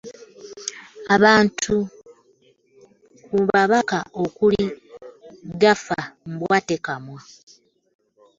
Abamu ku babaka okuli Gaffa Mbwatekamwa